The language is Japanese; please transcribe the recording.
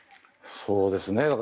そうですね。